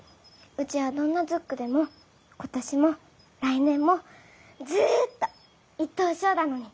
うちはどんなズックでも今年も来年もずっと１等賞だのに。